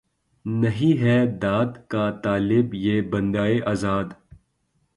نہیں ہے داد کا طالب یہ بندۂ آزاد